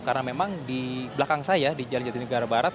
karena memang di belakang saya di jalan jatinegara barat